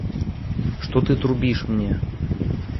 Што ты трубіш мне?